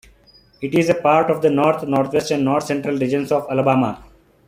It is a part of the North, Northwest, and North-Central regions of Alabama.